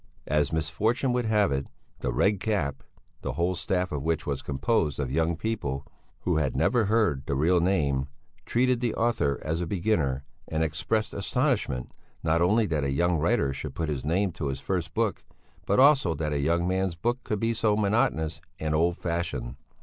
As misfortune would have it, the Red Cap, the whole staff of which was composed of young people who had never heard the real name, treated the author as a beginner, and expressed astonishment, not only that a young writer should put his name to his first book, but also that a young man's book could be so monotonous and old fashioned.